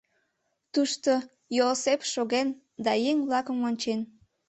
Тушто Йоосеп шоген да еҥ-влакым ончен.